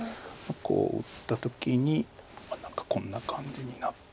こう打った時に何かこんな感じになって。